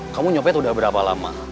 kamu nyopet udah berapa lama